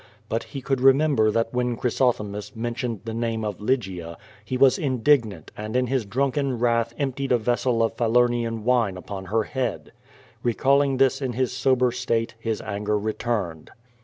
But he could remember that when Clnysothemis men tioned the name of Lygia, he was indignant and in his drunk en wrath emptied a vessel of Falernian wine upon lier head, l^ecalling this in his sober state, his anger returned.